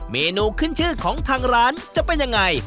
เมนูขึ้นชื่อของทางร้านจะเป็นยังไง